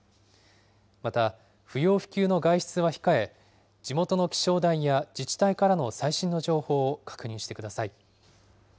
また、不要不急の外出は控え、地元の気象台や自治体からの最新の情報を確認してください。